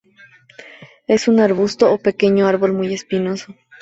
Es un arbusto o pequeño árbol muy espinoso.